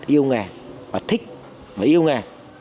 yêu nghề thích và yêu nghề